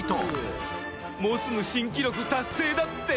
もうすぐ新記録達成だって？